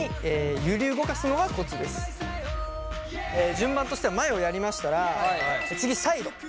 順番としては前をやりましたら次サイド。